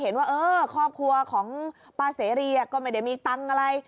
เห็นว่าเออครอบครัวของป้าเสรีก็ไม่ได้มีตังค์อะไร